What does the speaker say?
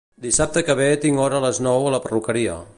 Dissabte que ve tinc hora a les nou a la perruqueria